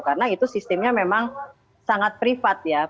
karena itu sistemnya memang sangat privat ya